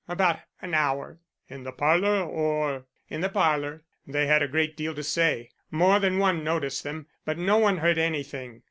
"About an hour." "In the parlor or " "In the parlor. They had a great deal to say. More than one noticed them, but no one heard anything.